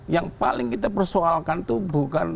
yang paling kita persoalkan itu bukan